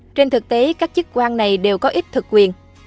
trên thực tế các chức quan này đều có ít thực quyền